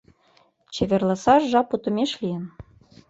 Чеверласаш жап утымеш лийын.